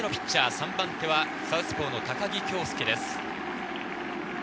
３番手はサウスポーの高木京介です。